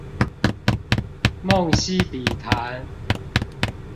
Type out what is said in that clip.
夢溪筆談